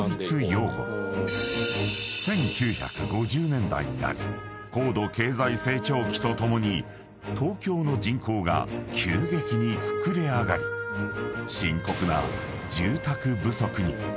［１９５０年代になり高度経済成長期とともに東京の人口が急激に膨れ上がり深刻な］